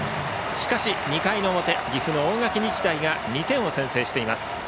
しかし、２回の表岐阜の大垣日大が２点を先制しています。